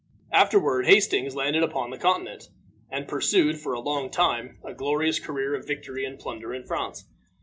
Afterward Hastings landed upon the Continent, and pursued, for a long time, a glorious career of victory and plunder in France.